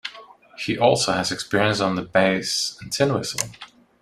He also has experience on the bass, and tin whistle.